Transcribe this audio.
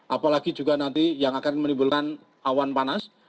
apalagi juga nanti yang akan menimbulkan awan panas